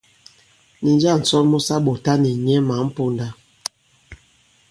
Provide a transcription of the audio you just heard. Nì njâŋ ǹsɔn mu sa ɓɔ̀ta nì nyɛ mǎn ponda?